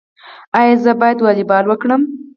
ایا زه باید والیبال وکړم؟